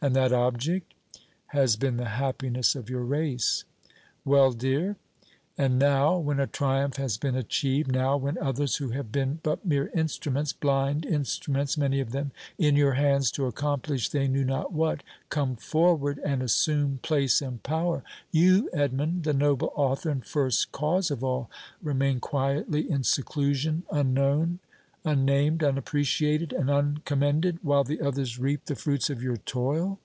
"And that object?" "Has been the happiness of your race." "Well, dear?" "And now, when a triumph has been achieved now, when others, who have been but mere instruments blind instruments, many of them, in your hands to accomplish they knew not what come forward and assume place and power you, Edmond, the noble author and first cause of all, remain quietly in seclusion, unknown, unnamed, unappreciated and uncommended, while the others reap the fruits of your toil!"